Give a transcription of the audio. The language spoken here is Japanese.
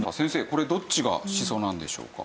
これどっちがシソなんでしょうか？